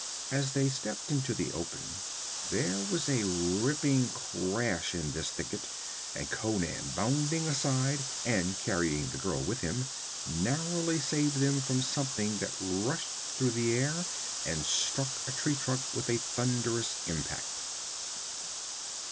As they stepped into the open there was a ripping crash in this thicket, and Conan, bounding aside and carrying the girl with him, narrowly saved them from something that rushed through the air and struck a tree trunk with a thunderous impact.